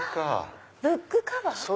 ブックカバー！